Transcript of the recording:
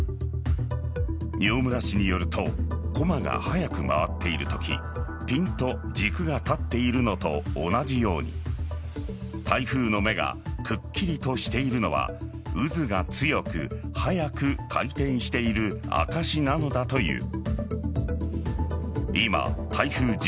饒村氏によるとこまが速く回っているときピンと軸が立っているのと同じように台風の目がくっきりとしているのは渦が強く速く回転している証しなのだという。